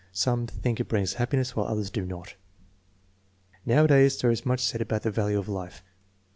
Some think it brings happiness while others do not." "Nowadays there is much said about the value of life.